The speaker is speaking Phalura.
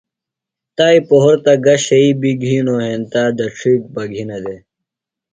تائی پہُرتہ گہ شئی بیۡ گِھینوۡ ہینتہ دڇھی بہ گِھینہ دےۡ۔